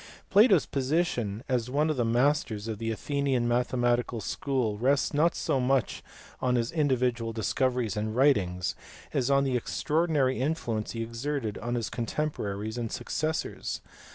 Plato s position as one of the masters of the Athenian mathematical school rests not so much on his individual dis coveries and writings as on the extraordinary influence he exerted on his contemporaries and successors.